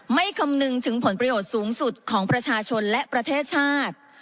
คำนึงถึงผลประโยชน์สูงสุดของประชาชนและประเทศชาติ